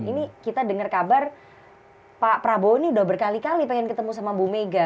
ini kita dengar kabar pak prabowo ini udah berkali kali pengen ketemu sama bu mega